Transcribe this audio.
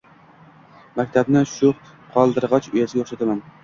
Maktabni shu qaldirgʻoch uyasiga oʻxshataman.